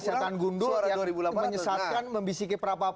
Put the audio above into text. jadi bukan setan gundul yang menyesatkan membisikik pak prabowo